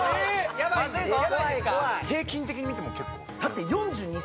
・ヤバいぞ・平均的に見ても結構？